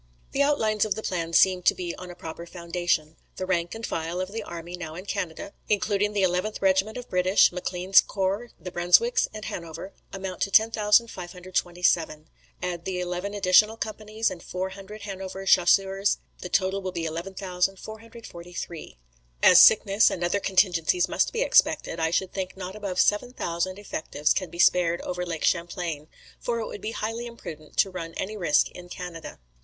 "The outlines of the plan seem to be on a proper foundation. The rank and file of the army now in Canada (including the 11th Regiment of British, M'Clean's corps, the Brunswicks and Hanover), amount to 10,527; add the eleven additional companies and four hundred Hanover Chasseurs, the total will be 11,443. "As sickness and other contingencies must be expected, I should think not above 7,000 effectives can be spared over Lake Champlain; for it would be highly imprudent to run any risk in Canada.